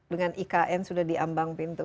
dengan ikn sudah diambang pintu